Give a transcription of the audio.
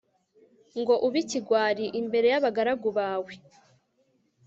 ngo ube ikigwari imbere y'abagaragu bawe